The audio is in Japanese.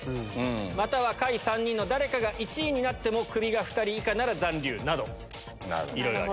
または下位３人の誰かが１位になってもクビが２人以下なら残留などいろいろあります。